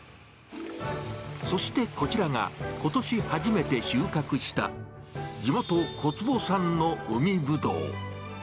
そしてこちらが、ことし初めて収穫した地元、小坪産の海ブドウ。